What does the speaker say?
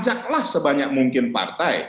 ajaklah sebanyak mungkin partai